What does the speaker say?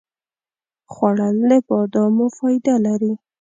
خوړل د بادامو فایده لري